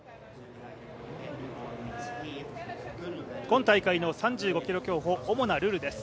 今大会の３５ｋｍ競歩主なルールです。